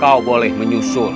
kau boleh menikmati istanamu